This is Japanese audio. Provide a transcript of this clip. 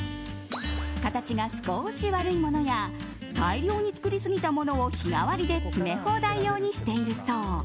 形が少し悪いものや大量に作りすぎたものを日替わりで詰め放題用にしているそう。